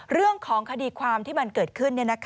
เรื่องของคดีความที่มันเกิดขึ้น